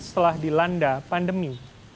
setelah dilanda pandemi